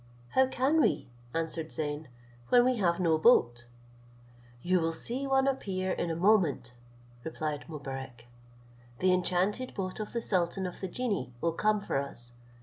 "How can we," answered Zeyn, "when we have no boat?" "You will see one appear in a moment," replied Mobarec; "the enchanted boat of the sultan of the genii will come for us.